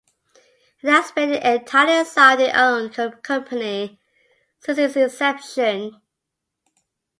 It has been an entirely Saudi-owned company since its inception.